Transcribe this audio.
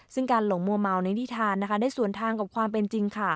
ซึ่งการหลงมัวเมาในนิทานได้ส่วนทางกับความเป็นจริง